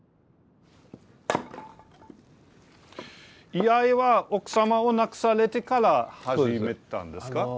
居合は奥様を亡くされてから始めたんですか？